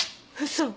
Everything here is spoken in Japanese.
嘘！